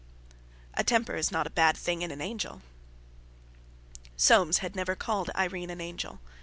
"A temper's not a bad thing in an angel." Soames had never called Irene an angel.